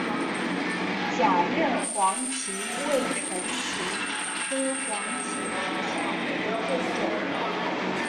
假韧黄芩为唇形科黄芩属下的一个种。